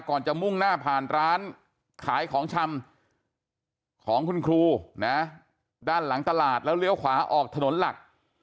ก่อนจะมุ่งหน้าผ่านร้านขายของชำของคุณครูนะด้านหลังตลาดแล้วเลี้ยวขวาออกถนนหลัก